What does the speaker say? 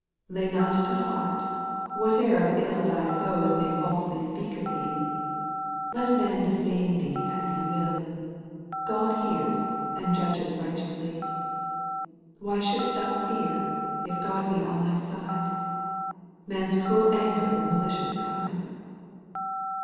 • 10. Lay not to heart, whate'er of ill Thy foes may falsely sj^eak of thee. Let man defame thee as he will, God hears, and judges righteously. Why should*st thou fear, if God be on thy side, Man's cruel anger or malicious pride